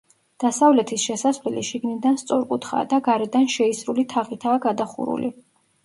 დასავლეთის შესასვლელი შიგნიდან სწორკუთხაა და გარედან შეისრული თაღითაა გადახურული.